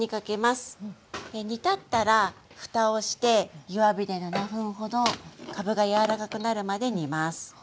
煮立ったら蓋をして弱火で７分ほどかぶが柔らかくなるまで煮ます。